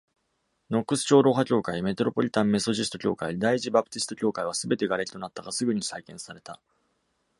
ノックス長老派教会、メトロポリタンメソジスト教会、第一バプティスト教会はすべて瓦礫となったが、すぐに再建された。